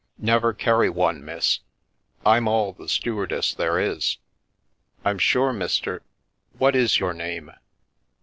" Never carry one, miss. I'm all the stewardess there is." " I'm sure, Mr. . What is your name